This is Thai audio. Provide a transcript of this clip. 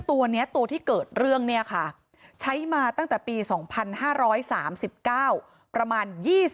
ตัวนี้ตัวที่เกิดเรื่องเนี่ยค่ะใช้มาตั้งแต่ปี๒๕๓๙ประมาณ๒๐